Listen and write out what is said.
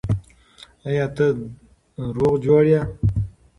آیا ته روغ جوړ یې؟